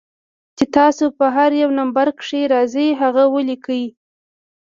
چې تاسو پۀ هر يو نمبر کښې راځئ هغه وليکئ